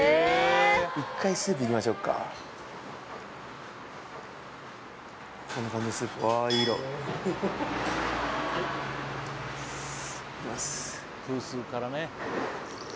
１回スープいきましょうかこんな感じでスープうわいい色いきます